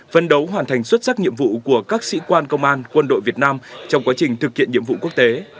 phân đấu hoàn thành xuất sắc nhiệm vụ của các sĩ quan công an quân đội việt nam trong quá trình thực hiện nhiệm vụ quốc tế